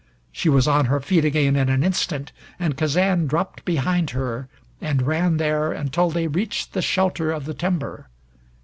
She was on her feet again in an instant, and Kazan dropped behind her, and ran there until they reached the shelter of the timber.